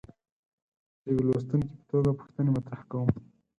د یوه لوستونکي په توګه پوښتنې مطرح کوم.